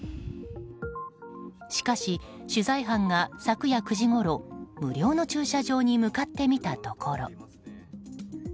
しかし、取材班が昨夜９時ごろ無料の駐車場に向かってみたところ。